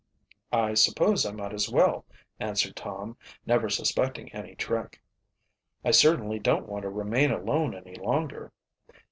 "I suppose I might as well," answered Tom, never suspecting any trick. "I certainly don't want to remain alone any longer."